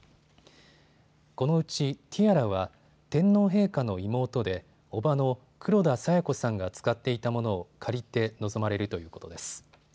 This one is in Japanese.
このうちティアラは天皇陛下の妹で叔母の黒田清子さんが使っていたものを借りて臨まれるということです。